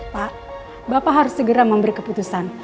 pak bapak harus segera memberi keputusan